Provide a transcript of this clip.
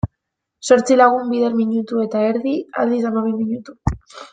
Zortzi lagun bider minutu eta erdi, aldiz, hamabi minutu.